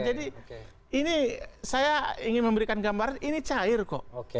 jadi ini saya ingin memberikan gambaran ini cair kok